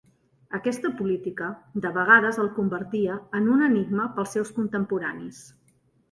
Aquesta política de vegades el convertia en un enigma per als seus contemporanis.